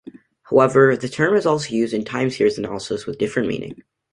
However, the term is also used in time series analysis with a different meaning.